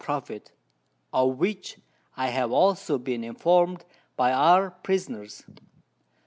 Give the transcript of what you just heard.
_ Profit, of which I have also been informed by our Prisoners.